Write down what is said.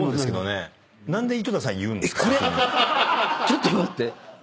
ちょっと待って。